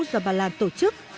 do bà lan tổ chức